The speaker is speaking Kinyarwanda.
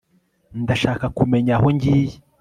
ndashaka kumenya aho ngiye